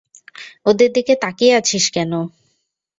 ওদের দিকে তাকিয়ে আছিস কেন?